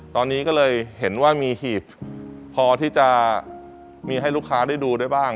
ตอนนี้ก็เลยเห็นว่ามีหีบพอที่จะมีให้ลูกค้าได้ดูได้บ้าง